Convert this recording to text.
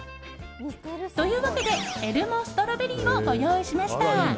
というわけでエルモストロベリーをご用意しました。